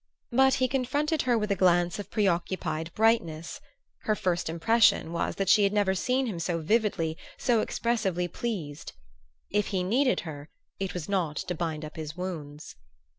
But he confronted her with a glance of preoccupied brightness; her first impression was that she had never seen him so vividly, so expressively pleased. If he needed her, it was not to bind up his wounds.